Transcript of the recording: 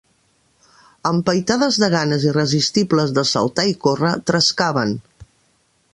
Empaitades de ganes irresistibles de saltar i córrer, trescaven